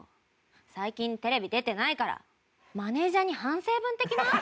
最近テレビ出てないからマネジャーに反省文的な？」。